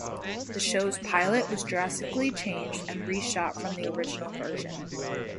The show's pilot was drastically changed and reshot from the original version.